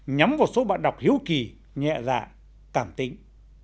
nhắm vào số bạn đọc hiếu kỳ nhẹ dạ cảm tính